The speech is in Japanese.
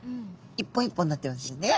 一本一本になっていますよね。